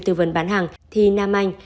tư vấn bán hàng thì nam anh